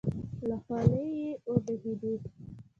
له خولې يې وبهېدې.